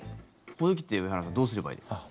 こういう時って上原さんどうすればいいですか？